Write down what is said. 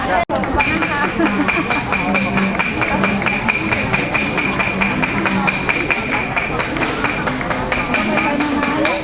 พระเจ้าข้าว